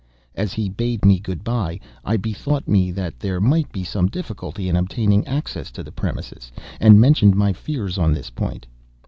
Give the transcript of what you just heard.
As he bade me good bye, I bethought me that there might be some difficulty in obtaining access to the premises, and mentioned my fears on this point.